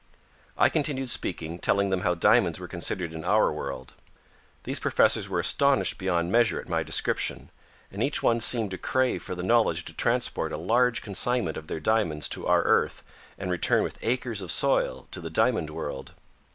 I continued speaking, telling them how diamonds were considered in our world. These professors were astonished beyond measure at my description, and each one seemed to crave for the knowledge to transport a large consignment of their diamonds to our Earth and return with acres of soil to the Diamond World.